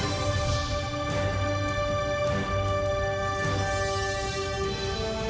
จริงจริง